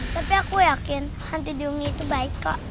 tapi aku yakin hantu duyung itu baik kak